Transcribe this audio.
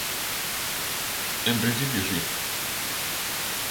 En principio si.